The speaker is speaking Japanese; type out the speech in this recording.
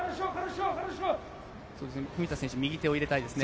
文田選手、右手を入れたいですね。